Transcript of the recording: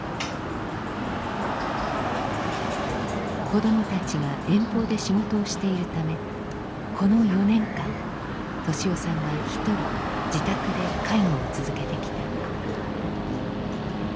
子どもたちが遠方で仕事をしているためこの４年間利夫さんがひとり自宅で介護を続けてきた。